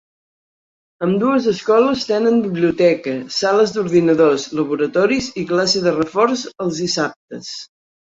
Ambdues escoles tenen biblioteca, sales d'ordinadors, laboratoris i classes de reforç els dissabtes.